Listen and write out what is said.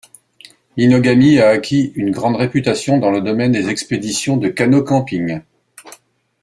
Minogami a acquis une grande réputation dans le domaine des expéditions de canot-camping.